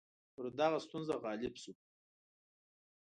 پر دغه ستونزه غالب شو.